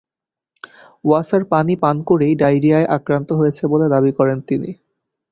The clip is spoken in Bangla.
ওয়াসার পানি পান করেই ডায়রিয়ায় আক্রান্ত হয়েছে বলে দাবি করেন তিনি।